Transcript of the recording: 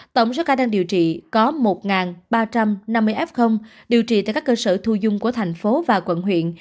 tổng số ca đang điều trị có một ba trăm năm mươi f điều trị tại các cơ sở thu dung của thành phố và quận huyện